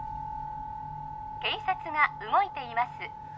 警察が動いています